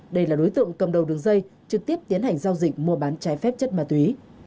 đây là đối tượng cầm đầu đường dây trực tiếp tiến hành giao dịch mua bán trái phép chất ma túy